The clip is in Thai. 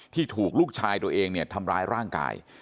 ที่ถูกลูกชายตัวเองเนี่ยทำร้ายร่างกาย